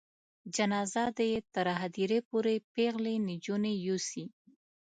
جنازه دې یې تر هدیرې پورې پیغلې نجونې یوسي.